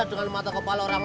karena ksatua banyak juga